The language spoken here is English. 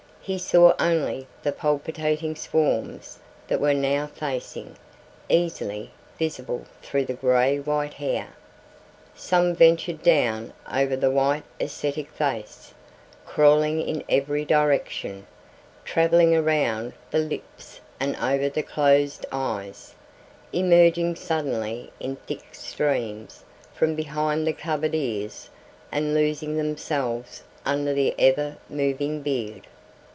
He saw only the palpitating swarms that were now facing, easily visible, through the gray white hair. Some ventured down over the white ascetic face, crawling in every direction, traveling around the lips and over the closed eyes, emerging suddenly in thick streams from behind the covered ears and losing themselves under the ever moving beard.